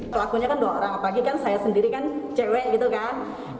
pelakunya kan dua orang apalagi kan saya sendiri kan cewek gitu kan